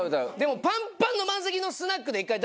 パンパンの満席のスナックで一回大悟さん